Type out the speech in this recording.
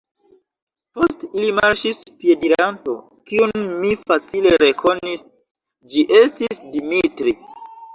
Post ili marŝis piediranto, kiun mi facile rekonis: ĝi estis Dimitri.